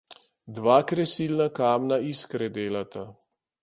Dva kresilna kamna iskre delata.